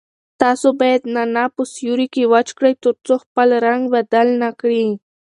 تاسو باید نعناع په سیوري کې وچ کړئ ترڅو خپل رنګ بدل نه کړي.